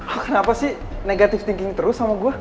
lo kenapa sih negatif thinking terus sama gue